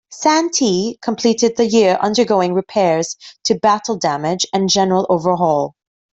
"Santee" completed the year undergoing repairs to battle damage and general overhaul.